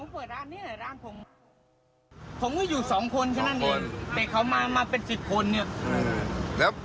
ประดับยนต์ครับผม